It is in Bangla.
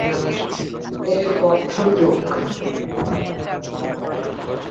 এর অর্থ চোখ।